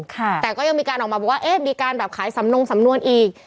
แต่ก็ยังมีการออกมาบอกว่าเอ๊ะมีการแบบขายสำนงสำนวนอีก